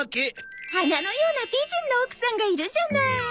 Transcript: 花のような美人の奥さんがいるじゃない。